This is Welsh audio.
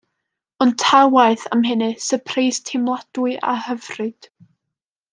Ond ta waeth am hynny, syrpreis teimladwy a hyfryd.